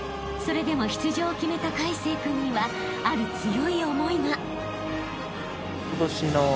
［それでも出場を決めた魁成君にはある強い思いが］